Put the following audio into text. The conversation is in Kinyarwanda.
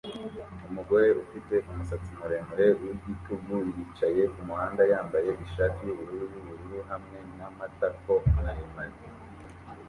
Umugore ufite umusatsi muremure wigitugu yicaye kumuhanda yambaye ishati yubururu yubururu hamwe namatako maremare